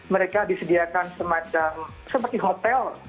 mereka disediakan semacam seperti hotel